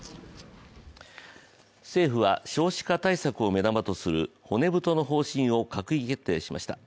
政府は少子化対策を目玉とする骨太の方針を閣議決定しました。